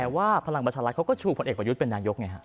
แต่ว่าพลังประชารัฐเขาก็ชูผลเอกประยุทธ์เป็นนายกไงฮะ